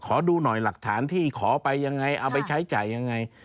ขอดูหน่อยหลักฐานที่ขอไปยังไงเอาไปใช้จ่ายยังไง